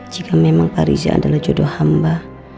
jika memang pariza adalah jodoh hamba